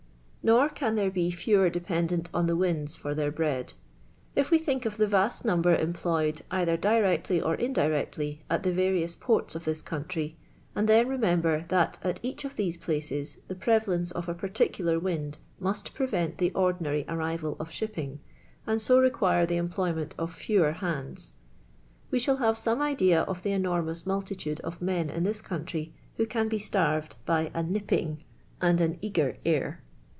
Nor can there be fewer dependent on the winds for their bre.id. If we think of the vast number employed either directly or indirectly at the various ports of this country, and then remem ber that at each of these places the prevalence of a particular wind must prevent the ordinary arri val of shipping, and so require the employment of fewer hands: we shall have some idea of the enormous multitude of men in this coun try who can be starved by *'a nipping and an eager air."